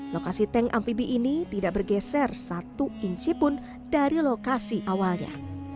lokasi tank amfibi ini tidak bergeser satu inci pun dari lokasi awalnya